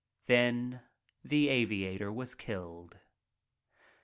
Then the aviator was killed.